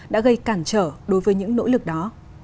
đã gây cản trở đối với những nỗ lực đó